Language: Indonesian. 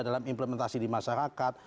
dalam implementasi di masyarakat